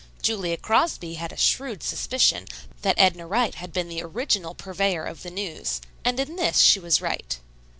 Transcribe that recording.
Julia Crosby had a shrewd suspicion that Edna Wright had been the original purveyor of the news, and in this she was right.